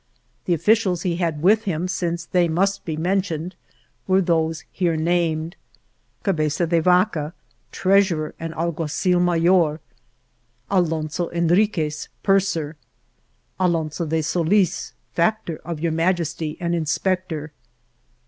The officials he had with him (since they must be mentioned) were those here named : Cabeza de Vaca, treasurer and alguacil mayor ; Alonso Enriquez, purser ; Alonso de Solis, factor of Your Majesty and inspector.